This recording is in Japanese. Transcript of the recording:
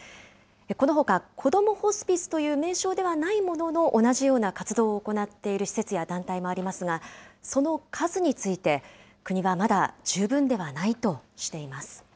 このほか、こどもホスピスという名称ではないものの、同じような活動を行っている施設や団体もありますが、その数について、国はまだ十分ではないとしています。